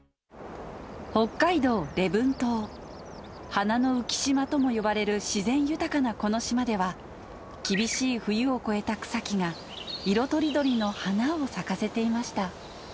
花の浮き島とも呼ばれる自然豊かなこの島では、厳しい冬を越えた草木が、色とりどりの花を咲かせていました。